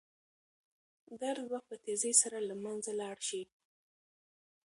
درد به په تېزۍ سره له منځه لاړ شي.